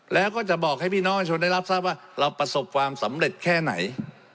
แล้วก็จะบอกให้พี่น้องชนได้รับทราบว่าเราประสบความสำเร็จแค่ไหน